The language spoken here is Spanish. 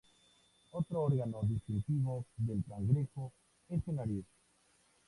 Otro órgano distintivo del cangrejo es su nariz.